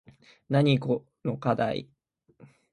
なにこのかだい